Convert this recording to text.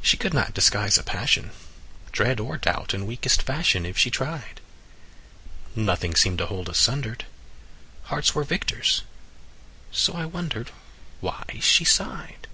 She could not disguise a passion, Dread, or doubt, in weakest fashion If she tried: Nothing seemed to hold us sundered, Hearts were victors; so I wondered Why she sighed.